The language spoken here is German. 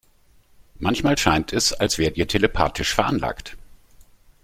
Manchmal scheint es, als wärt ihr telepathisch veranlagt.